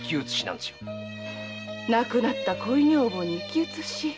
亡くなった恋女房に生き写し。